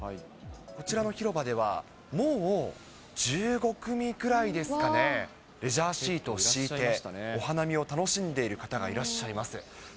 こちらの広場では、もう１５組くらいですかね、レジャーシートを敷いて、お花見を楽しんでいる方がいらっしゃいます。